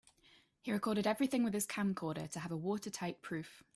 He recorded everything with his camcorder to have a watertight proof.